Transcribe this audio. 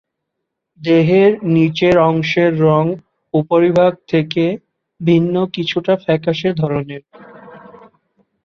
দেহের নিচের অংশের রং উপরিভাগ থেকে ভিন্ন কিছুটা ফ্যাকাশে ধরনের।